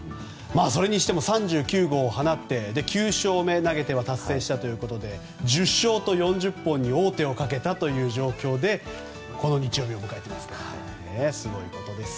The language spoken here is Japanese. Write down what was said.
それにしても３９号を放って９勝目を投げては達成したということで１０勝と４０本に王手をかけた状況でこの日曜日を迎えていますからすごいことです。